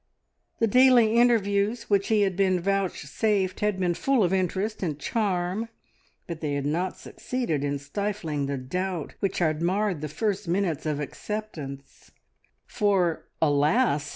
The daily interviews which he had been vouchsafed had been full of interest and charm, but they had not succeeded in stifling the doubt which had marred the first minutes of acceptance, for alas!